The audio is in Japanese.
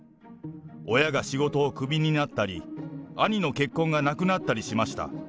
親が仕事をくびになったり、兄の結婚がなくなったりしました。